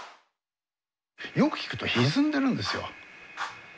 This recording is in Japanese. よく聴くとひずんでるんですよ。